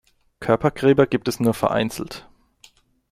Körpergräber gibt es nur vereinzelt.